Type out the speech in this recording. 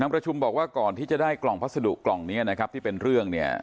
ประชุมบอกว่าก่อนที่จะได้กล่องพัสดุกล่องนี้นะครับที่เป็นเรื่องเนี่ย